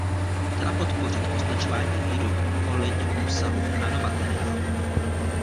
Chtěla podpořit označování výrobků ohledně obsahu nanomateriálů.